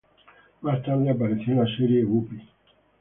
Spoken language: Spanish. Más tarde apareció en la serie "Whoopi".